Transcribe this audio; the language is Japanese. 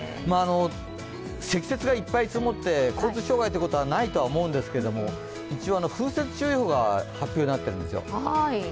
積雪がいっぱい積もって交通障害ということはないとは思うんですが風雪注意報が発表になっているんですよ。